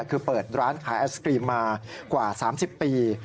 คือเปิดร้านขายไอศกรีมมากว่า๓๐ปี